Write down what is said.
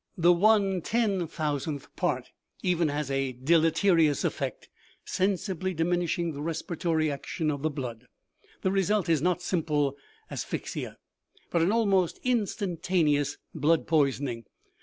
The one ten thousandth part even has a deleterious effect, sensibly diminishing the respiratory action of the blood. The result is not simple asphyxia, but an almost instantaneous blood poisoning.